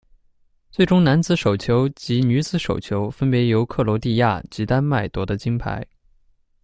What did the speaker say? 最终男子手球及女子手球分别由克罗地亚及丹麦夺得金牌。